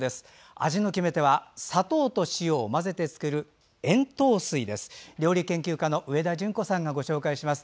味の決め手は砂糖と水を混ぜて作る塩糖水です。